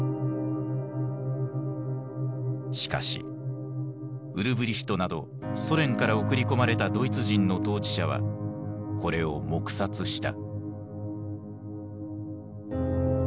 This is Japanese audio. しかしウルブリヒトなどソ連から送り込まれたドイツ人の統治者はこれを黙殺した。